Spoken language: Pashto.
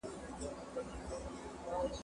زه کولای سم کالي وپرېولم؟!